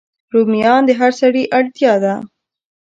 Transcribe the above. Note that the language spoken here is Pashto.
رومیان د هر سړی اړتیا ده